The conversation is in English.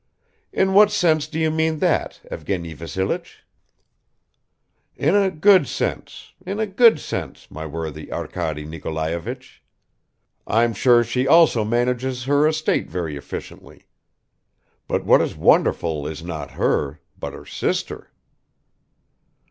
"In what sense do you mean that, Evgeny Vassilich?" "In a good sense, in a good sense, my worthy Arkady Nikolayevich! I'm sure she also manages her estate very efficiently. But what is wonderful is not her, but her sister."